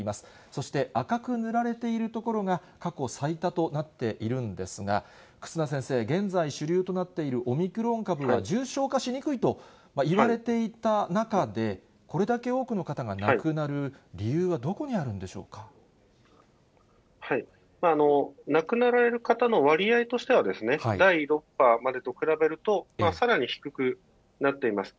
そして赤く塗られている所が、過去最多となっているんですが、忽那先生、現在主流となっているオミクロン株は、重症化しにくいといわれていた中で、これだけ多くの方が亡くなる理由は、どこにあるんでし亡くなられる方の割合としては、第６波までと比べると、さらに低くなっています。